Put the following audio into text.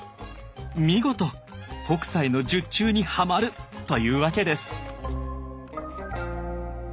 見事北斎の術中にはまるというわけです。